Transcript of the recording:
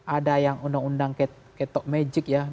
ada yang undang undang ketok magic ya